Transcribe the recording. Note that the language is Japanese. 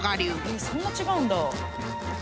えっそんな違うんだ。